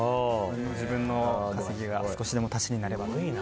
自分の稼ぎが少しでも足しになればと。